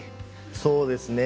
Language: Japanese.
そうですね。